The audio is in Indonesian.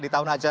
di tahun hajur